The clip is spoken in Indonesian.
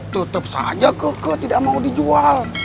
tetep saja keke tidak mau dijual